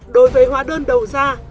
đối với hóa đơn đầu ra